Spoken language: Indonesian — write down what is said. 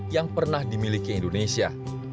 yang pernah dimiliki indonesia